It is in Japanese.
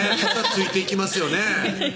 ついていきますよね